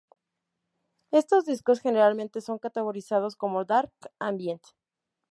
Estos discos generalmente son categorizados como dark ambient.